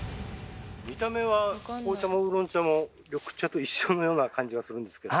見た目は紅茶もウーロン茶も緑茶と一緒のような感じがするんですけど。